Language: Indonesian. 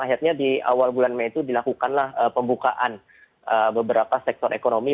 akhirnya di awal bulan mei itu dilakukanlah pembukaan beberapa sektor ekonomi